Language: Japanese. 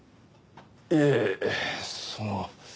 いえその。